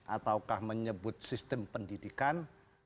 ataukah menyebut sistem pendidikan